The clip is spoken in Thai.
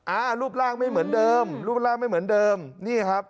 อ่ารูปร่างไม่เหมือนเดิมรูปร่างไม่เหมือนเดิมนี่ครับ